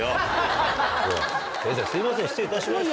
先生すいません失礼いたしました。